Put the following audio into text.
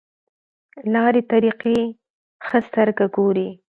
لارې طریقې ښه سترګه ګوري.